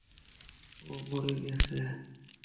ও মরে যাচ্ছে।